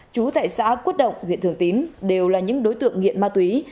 trú tại xã quất động huyện thường tín đều là những đối tượng nghiện ma túy